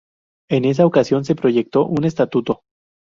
En esa ocasión se proyectó un Estatuto.